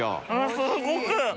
すごく！